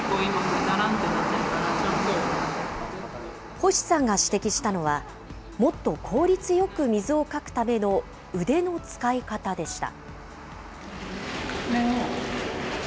星さんが指摘したのは、もっと効率よく水をかくための腕の使い方でした。